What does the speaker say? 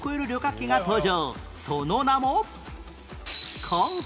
その名も